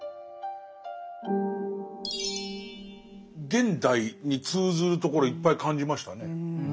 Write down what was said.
現代に通ずるところいっぱい感じましたね。